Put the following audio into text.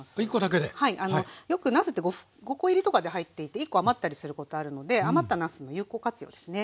よくなすって５コ入りとかで入っていて１コ余ったりすることあるので余ったなすの有効活用ですね。